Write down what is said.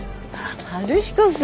春彦さん。